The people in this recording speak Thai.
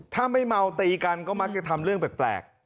ถ้าไม่เมาตีกันก็มักจะทำเรื่องแปลก